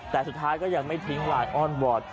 แต่สุดท้ายก็ยังไม่ทิ้งลายอ้อนวอร์ด